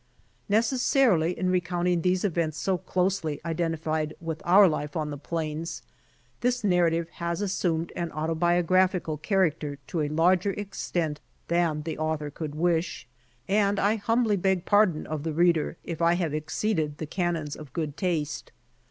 Necessarily in recounting these events so closely identified with our life on the plains this narrative has assumed an autobiographical character to a larger extent than the author could wish, and I humbly beg pardon of the reader if I have exceeded the canons of good taste.